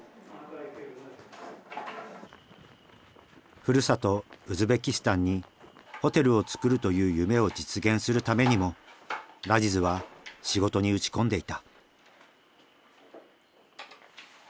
ふるさとウズベキスタンにホテルをつくるという夢を実現するためにもラジズは仕事に打ち込んでいた。